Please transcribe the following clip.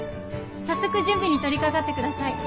早速準備に取りかかってください。